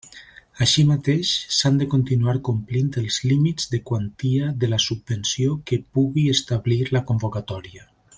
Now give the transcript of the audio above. Així mateix s'han de continuar complint els límits de quantia de la subvenció que pugui establir la convocatòria.